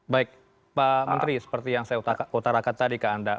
baik pak menteri seperti yang saya utarakan tadi ke anda